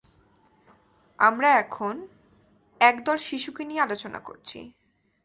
আমরা এখন, একদল শিশুকে নিয়ে আলোচনা করছি।